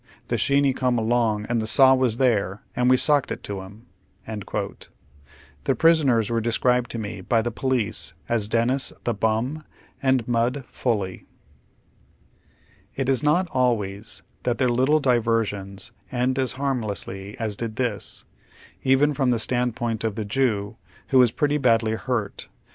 The sheeny cum along an' the saw was there, an' we socked it to liim," The prisoners were described to me by the police as Dennis, " the Bum," and " Mud " Foley, It is not always that their little diversions end as harm lessly as did this, even from the standpoint of tlie Jew, who was pretty badly hnrt.